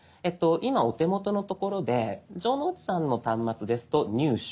今お手元の所で城之内さんの端末ですと「入手」。